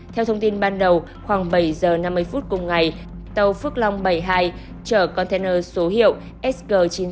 theo thông tin ban đầu khoảng bảy giờ năm mươi phút cùng ngày tàu phước long bảy mươi hai chở container số hiệu sg chín nghìn tám trăm ba mươi tám